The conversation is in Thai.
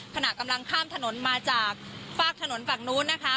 ขณะกำลังข้ามถนนมาจากฝากถนนฝั่งนู้นนะคะ